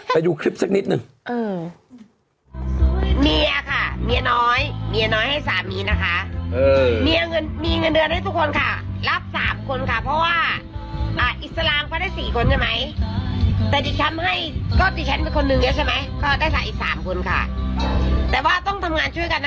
ไปดูคลิปสักนิดหนึ่ง